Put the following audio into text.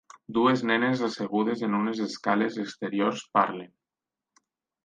Dues nenes assegudes en unes escales exteriors parlen.